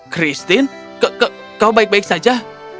christine kau baik baik saja